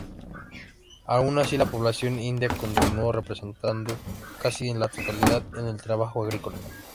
Aun así la población india continuó representando casi la totalidad en el trabajo agrícola.